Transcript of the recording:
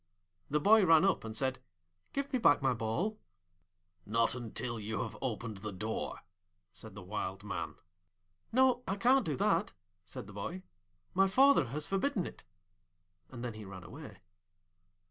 The boy ran up, and said, 'Give me back my ball.' 'Not until you have opened the door,' said the Wild Man. 'No; I can't do that,' said the boy. 'My father has forbidden it,' and then he ran away.